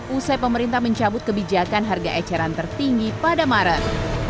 usai pemerintah mencabut kebijakan harga eceran tertinggi pada maret